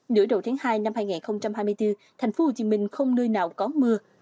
nửa đầu tháng hai năm hai nghìn hai mươi bốn thành phố hồ chí minh không nơi nào có mưa